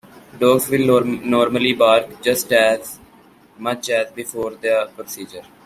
Dogs will normally bark just as much as before the procedure.